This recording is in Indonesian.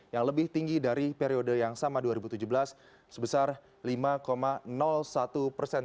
yang lebih tinggi dari periode yang sama dua ribu tujuh belas sebesar lima satu persen